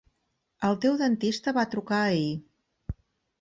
El teu dentista va trucar ahir.